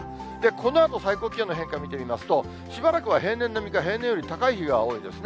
このあと、最高気温の変化見てみますと、しばらくは平年並みか、平年より高い日が多いですね。